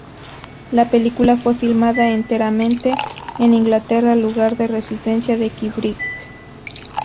La película fue filmada enteramente en Inglaterra, lugar de residencia de Kubrick.